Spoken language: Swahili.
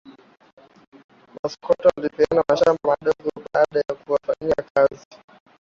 Maskwota walipewa mashamba madogo baada ya kuwafanyia kazi